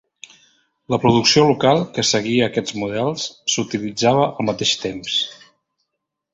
La producció local, que seguia aquests models, s'utilitzava al mateix temps.